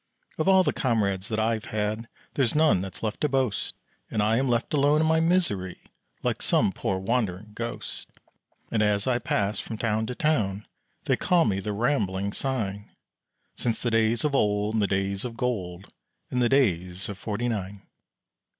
Of all the comrades that I've had There's none that's left to boast, And I am left alone in my misery Like some poor wandering ghost. And as I pass from town to town, They call me the rambling sign, Since the days of old and the days of gold And the days of Forty Nine.